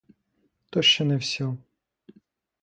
То ще не всьо.